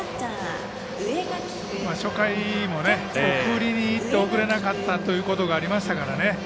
初回も送りにいって送れなかったということがありましたからね。